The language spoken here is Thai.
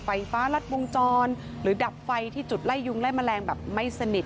ไฟฟ้ารัดวงจรหรือดับไฟที่จุดไล่ยุงไล่แมลงแบบไม่สนิท